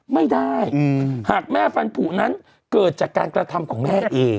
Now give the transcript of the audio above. ไม่ได้หากแม่ฟันผูนั้นเกิดจากการกระทำของแม่เอง